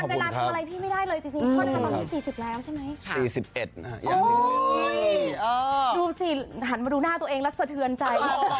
ดูสิหันมาดูหน้าตัวเองแล้วสะเทือนใจ